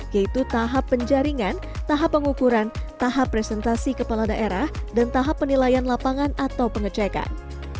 yaitu tahap penjaringan tahap pengukuran tahap presentasi kepala daerah dan tahap penilaian lapangan atau pengecekan